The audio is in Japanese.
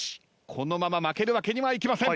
このまま負けるわけにはいきません。